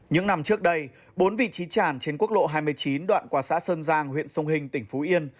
những năm trước đây bốn vị trí tràn trên quốc lộ hai mươi chín đoạn qua xã sơn giang huyện sông hình tỉnh phú yên